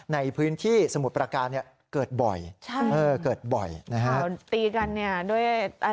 ในพื้นที่สมุทรประการเกิดบ่อย